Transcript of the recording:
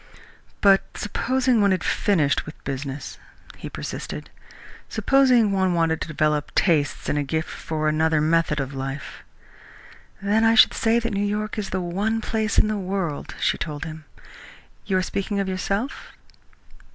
"But supposing one had finished with business?" he persisted. "Supposing one wanted to develop tastes and a gift for another method of life?" "Then I should say that New York is the one place in the world," she told him. "You are speaking of yourself?"